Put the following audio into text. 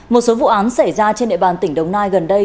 một số vụ án xảy ra trên địa bàn tỉnh đồng nai gần đây